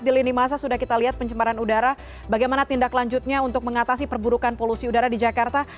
di lini masa sudah kita lihat pencemaran udara bagaimana tindak lanjutnya untuk mengatasi perburukan polusi udara di jakarta